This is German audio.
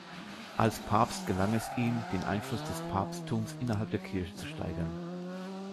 Als Papst gelang es ihm, den Einfluss des Papsttums innerhalb der Kirche zu steigern.